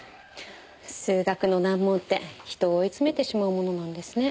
数学の難問って人を追いつめてしまうものなんですね。